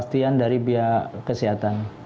ini adalah kemampuan dari pihak kesehatan